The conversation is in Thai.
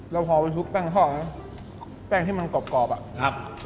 เราพอไปชุกแป้งทอดนะแป้งที่มันกรอบกรอบอ่ะครับ